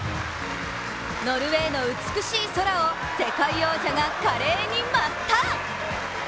ノルウェーの美しい空を世界王者が華麗に舞った！